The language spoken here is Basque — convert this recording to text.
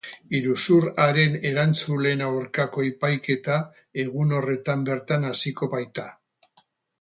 Iruzur haren erantzuleen aurkako epaiketa egun horretan bertan hasiko baita.